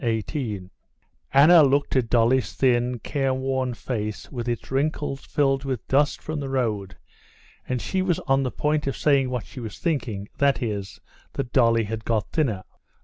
Chapter 18 Anna looked at Dolly's thin, care worn face, with its wrinkles filled with dust from the road, and she was on the point of saying what she was thinking, that is, that Dolly had got thinner.